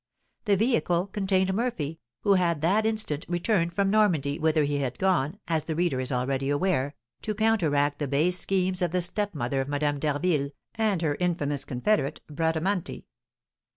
The vehicle contained Murphy, who had that instant returned from Normandy, whither he had gone, as the reader is already aware, to counteract the base schemes of the stepmother of Madame d'Harville and her infamous confederate, Bradamanti.